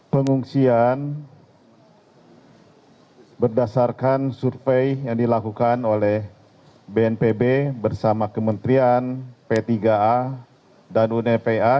pengungsian berdasarkan survei yang dilakukan oleh bnpb bersama kementerian p tiga a dan unepa